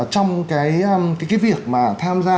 trong cái việc mà tham gia